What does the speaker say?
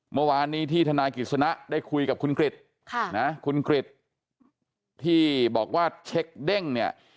เมื่อวานนี้ที่ธนายกิจสนะได้คุยกับคุณกริจคุณกริจที่บอกว่าเช็คเด้งเนี่ย